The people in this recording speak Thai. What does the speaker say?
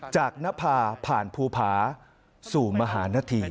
จากนภาผ่านภูผาสู่มหานธี